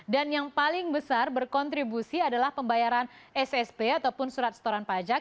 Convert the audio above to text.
dan yang paling besar berkontribusi adalah pembayaran ssp ataupun surat setoran pajak